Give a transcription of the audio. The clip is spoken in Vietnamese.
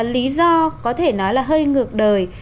lý do có thể nói là hơi ngược đời